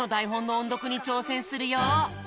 おんどくにちょうせんするよ。